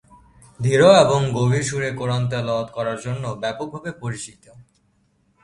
ধীর এবং গভীর সুরে কুরআন তেলাওয়াত করার জন্য ব্যাপকভাবে পরিচিত।